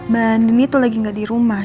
banding itu lagi gak dirumah